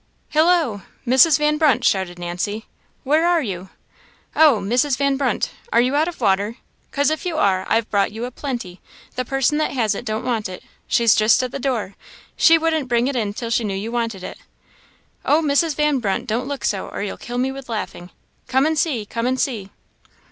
"Hillo! Mrs. Van Brunt," shouted Nancy "where are you? oh! Mrs. Van Brunt, are you out of water? cos if you are I've brought you a plenty; the person that has it don't want it; she's just at the door; she wouldn't bring it in till she knew you wanted it. Oh, Mrs. Van Brunt, don't look so, or you'll kill me with laughing. Come and see! come and see!"